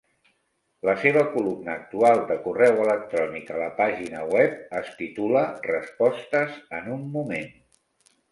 La seva columna actual de correu electrònic a la pàgina web es titula "Respostes en un moment".